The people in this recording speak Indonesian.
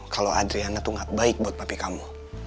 kalau adriana tuh gak baik buat papi kamu